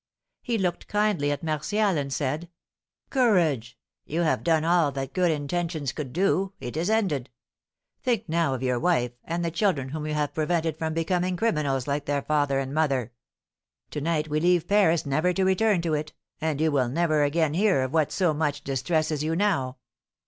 He looked kindly at Martial, and said: "Courage! You have done all that good intentions could do; it is ended. Think now of your wife, and the children whom you have prevented from becoming criminals like their father and mother. To night we leave Paris never to return to it, and you will never again hear of what so much distresses you now."